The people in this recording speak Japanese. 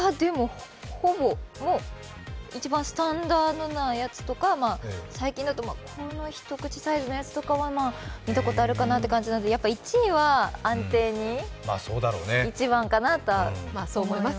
ほぼ、一番スタンダードなやつとか最近だと、ひとくちサイズのやつとかは見たことあるかなというところですがやっぱり１位は安定に、１番かなとは思います。